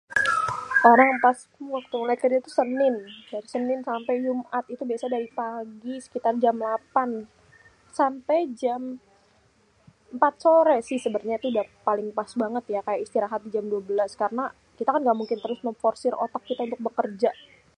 orang waktu pas mulai kerja tuh senin.. dari senin sampé jumat itu biasanya dari pagi sekitar jam delapan sampé jam empat sore sih.. sebenernya sih udah paling pas banget ya istirahat dari jam dua belas.. karena kita ngga mungkin memforsir otak kita buat bekerja..